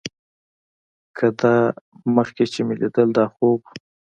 که دا مخکې چې مې ليدل دا خوب و.